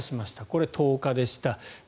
これは１０日でした。